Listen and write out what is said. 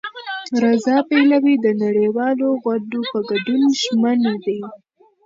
رضا پهلوي د نړیوالو غونډو په ګډون ژمن دی.